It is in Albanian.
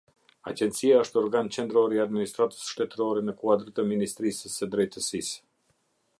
Agjencia është organ qendror i administratës shtetërore në kuadër të Ministrisë së Drejtësisë.